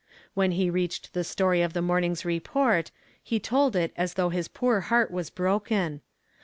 When he reached the story of the morning's report he told it as though his poor heart was broken.